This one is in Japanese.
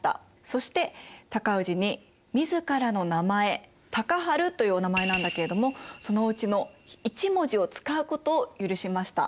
そして高氏に自らの名前尊治というお名前なんだけれどもそのうちの１文字を使うことを許しました。